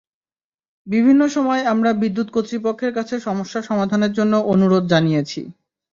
বিভিন্ন সময় আমরা বিদ্যুৎ কর্তৃপক্ষের কাছে সমস্যা সমাধানের জন্য অনুরোধ জানিয়েছি।